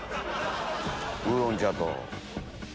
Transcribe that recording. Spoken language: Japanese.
ウーロン茶と。